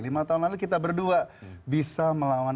lima tahun lalu kita berdua bisa melawan